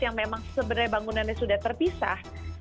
yang memang sebenarnya bangunannya sudah terpisah